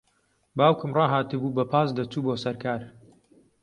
باوکم ڕاھاتبوو بە پاس دەچوو بۆ سەر کار.